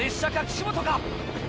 岸本か？